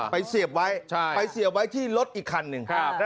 ไปเสียบไว้ใช่ไปเสียบไว้ที่รถอีกคันหนึ่งครับ